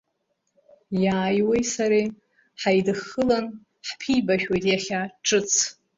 Иааиуеи сареи ҳааидыххылан, ҳԥибашәоит иахьа ҿыц.